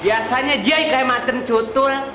biasanya dia kayak macan cutul